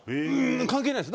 関係ないです。